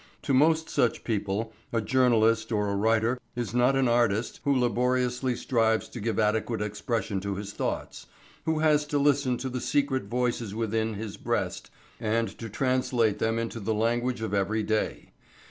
To most such people a journalist or a writer is not an artist who laboriously strives to give adequate expression to his thoughts, who has to listen to the secret voices within his breast and to translate them into the language of every day.